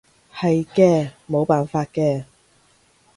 係嘅，冇辦法嘅